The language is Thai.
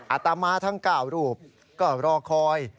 อาตมาทั้ง๙รูปก็รอคอย